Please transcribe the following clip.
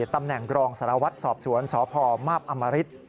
ตำแหน่งรองสารวัฒน์สอบสวนสพมาบอำริษฐ์